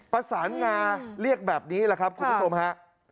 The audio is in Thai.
ประสานงาเรียกแบบนี้แหละครับคุณผู้ชมฮะ